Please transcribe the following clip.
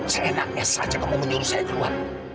seenaknya saja kamu menyuruh saya keluar